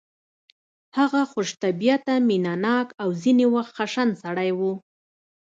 هغه خوش طبیعته مینه ناک او ځینې وخت خشن سړی و